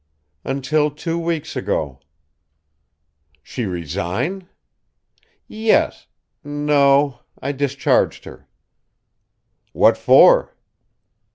"Until two weeks ago." "She resign?" "Yes. No I discharged her." "What for?"